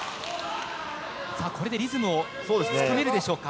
これでリズムをつかめるでしょうか。